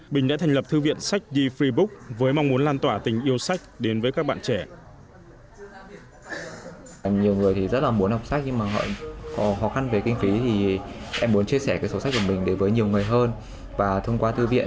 bình đã thành lập thư viện sách the free book với mong muốn lan tỏa tình yêu sách đến với các bạn trẻ